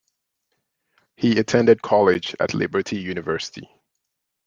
He attended college at Liberty University.